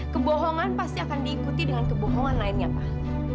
kebohongan pasti akan diikuti dengan kebohongan lainnya pak